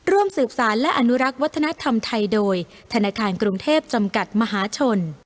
ร่วมสืบสารและอนุรักษ์วัฒนธรรมไทยโดยธนาคารกรุงเทพจำกัดมหาชน